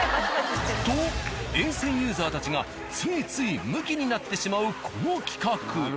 と沿線ユーザーたちがついついむきになってしまうこの企画。